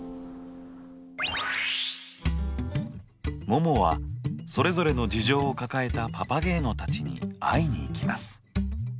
ももはそれぞれの事情を抱えたパパゲーノたちに会いに行きます。